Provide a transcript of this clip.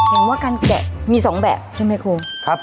เห็นว่าการแกะมี๒แบบใช่ไหมครับครับ